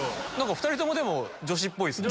２人とも女子っぽいっすね。